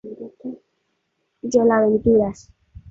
El favorecido fue tan solo una persona, la cual obtuvo el pozo completo.